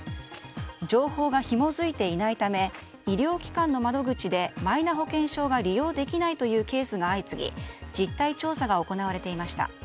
情報がひも付いていないため医療機関の窓口でマイナ保険証が利用できないというケースが相次ぎ実態調査が行われていました。